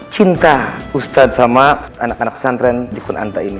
cinta ustadz sama anak anak pesantren di kunanta ini